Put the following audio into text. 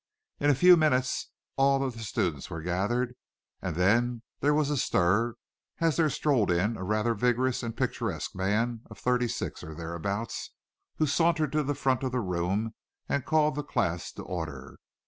In a few minutes all the students were gathered, and then there was a stir as there strolled in a rather vigorous and picturesque man of thirty six or thereabouts, who sauntered to the front of the room and called the class to order.